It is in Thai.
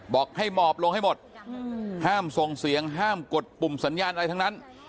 บอกให้หมอบลงให้หมดห้ามส่งเสียงห้ามกดปุ่มสัญญาณอะไรทั้งนั้น